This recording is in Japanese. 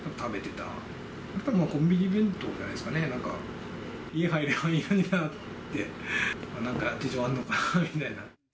たぶん、コンビニ弁当じゃないですかね、なんか、家入ればいいのになって、なんか事情あるのかなみたいな。